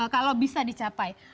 kalau bisa dicapai